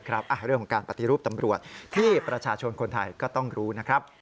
เรื่องของการปฏิรูปตำรวจที่ประชาชนคนไทยก็ต้องรู้นะครับ